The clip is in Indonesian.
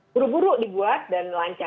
buru buru dibuat dan lancar